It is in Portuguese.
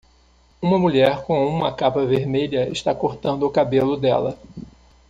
Uma mulher com uma capa vermelha está cortando o cabelo dela.